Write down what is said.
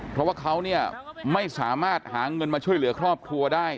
เพราะว่าเขาเนี่ยไม่สามารถหาเงินมาช่วยเหลือครอบครัวได้